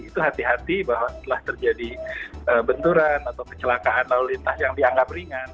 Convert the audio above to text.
itu hati hati bahwa setelah terjadi benturan atau kecelakaan lalu lintas yang dianggap ringan